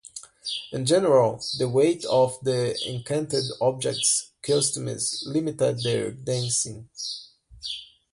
In general, the weight of the enchanted objects' costumes limited their dancing.